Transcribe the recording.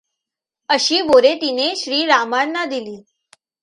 अशी बोरे तिने श्री रामांना दिली.